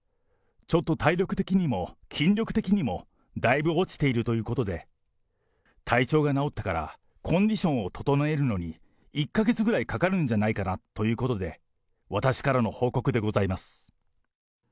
ちょっと体力的にも筋力的にも、だいぶ落ちているということで、体調が治ってから、コンディションを整えるのに１か月ぐらいかかるんじゃないかなということで、私からの報告でございます。